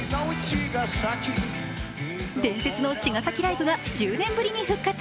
伝説の茅ケ崎ライブが１０年ぶりに復活。